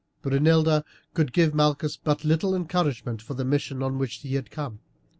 Brunilda could give Malchus but little encouragement for the mission on which he had come.